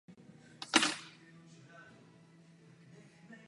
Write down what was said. Děkuji panu předsedajícímu a poslancům, kteří otázky Komisi položili.